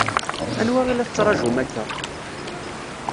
Anwa i la tettṛaǧum akka?